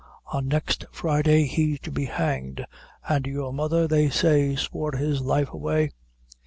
On next Friday he's to be hanged, an' your mother, they say, swore his life away!